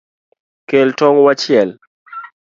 Kel tong’ wachiel